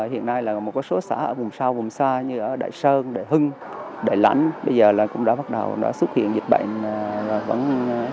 hiện nay là một số xã ở vùng sau vùng xa như ở đại sơn đại hưng đại lãnh bây giờ cũng đã xuất hiện dịch bệnh